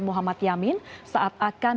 muhammad yamin saat akan